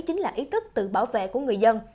chính là ý thức tự bảo vệ của người dân